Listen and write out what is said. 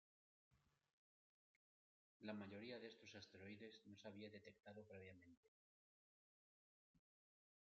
La mayoría de estos asteroides no se había detectado previamente.